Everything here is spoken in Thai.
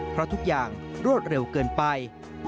เพราะทุกอย่างรวดเร็วเกินไป